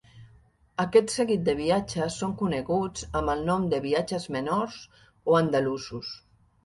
Aquest seguit de viatges són coneguts amb el nom de Viatges menors o andalusos.